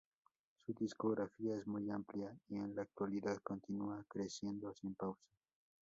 Su discografía es muy amplia y en la actualidad continúa creciendo sin pausa.